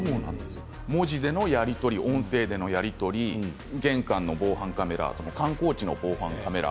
文字でのやり取り音声でのやり取り玄関の防犯カメラ観光地の防犯カメラ。